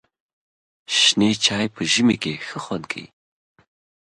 شنې چای په ژمي کې ښه خوند کوي.